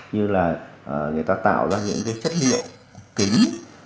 như là người ta tạo ra những cái chất liệu kính